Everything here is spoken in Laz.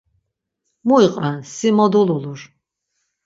Mu iqven si mo dululur!